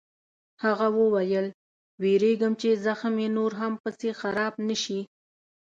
هغه وویل: وېرېږم چې زخم یې نور هم پسې خراب نه شي.